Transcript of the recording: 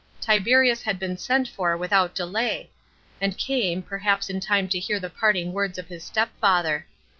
Tiberius had been sent for without delay, and came, perhaps in time to hear the parting words of his stepfather.